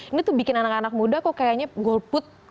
ini tuh bikin anak anak muda kok kayaknya golput